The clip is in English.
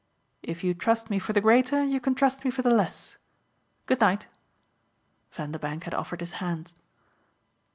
"If you trust me for the greater you can trust me for the less. Good night." Vanderbank had offered his hand.